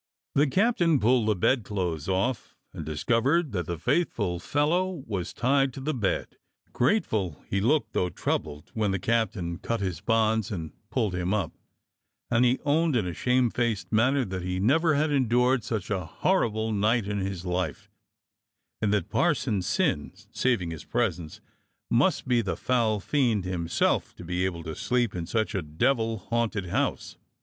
The captain pulled the bedclothes off, and discovered that the faithful fellow was tied to the bed. Grateful he looked, though troubled, when the captain cut his bonds and pulled him up; and he owned in a shamefaced manner that he never had endured such a horrible night in his life, and that Parson Syn (saving his presence) must be the foul fiend himself to be able to sleep in such a devil haunted house.